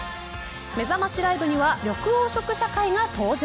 めざましライブには緑黄色社会が登場。